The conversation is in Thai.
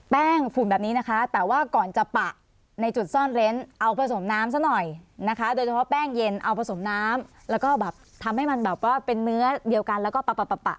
ฝุ่นแบบนี้นะคะแต่ว่าก่อนจะปะในจุดซ่อนเร้นเอาผสมน้ำซะหน่อยนะคะโดยเฉพาะแป้งเย็นเอาผสมน้ำแล้วก็แบบทำให้มันแบบว่าเป็นเนื้อเดียวกันแล้วก็ปะ